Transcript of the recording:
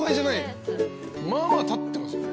まあまあたってますよね？